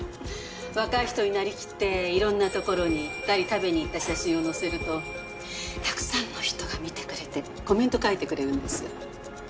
若い人になりきっていろんなところに行ったり食べに行った写真を載せるとたくさんの人が見てくれてコメント書いてくれるんですよ。